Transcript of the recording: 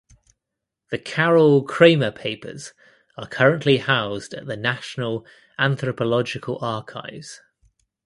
The Carol Kramer Papers are currently housed at the National Anthropological Archives.